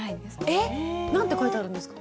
えっ何て書いてあるんですか？